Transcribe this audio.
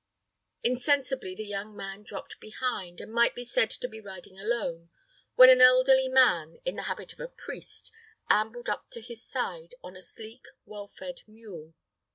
Insensibly the young man dropped behind, and might be said to be riding alone, when an elderly man, in the habit of a priest, ambled up to his side on a sleek, well fed mule.